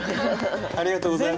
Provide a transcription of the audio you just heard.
ありがとうございます。